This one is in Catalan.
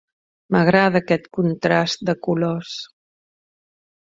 M'agrada aquest contrast de colors.